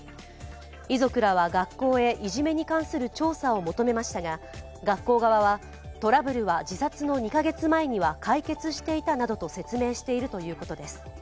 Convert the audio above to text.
遺族らは学校へいじめに関する調査を求めましたが学校側は、トラブルは自殺の２カ月前には解決していたなどと説明しているということです。